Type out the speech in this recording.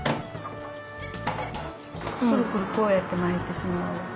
クルクルこうやって巻いてしまう。